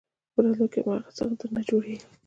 په راتلونکي کې هم هماغه څه درنه جوړېږي.